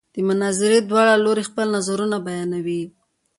د مناظرې دواړه لوري خپل نظرونه بیانوي.